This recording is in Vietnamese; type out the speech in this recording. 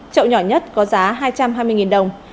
trậu nhỏ nhất có giá hai trăm hai mươi đồng